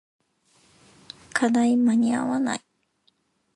課題間に合わない